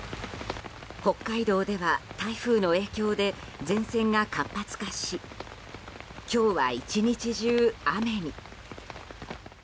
北海道では、台風の影響で前線が活発化し今日は１日中、雨に。